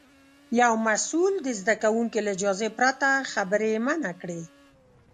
یو مسوول د زده کوونکي له اجازې پرته خبرې منع کړې.